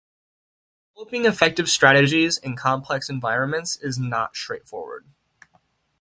Developing effective strategies in complex environments is not straightforward.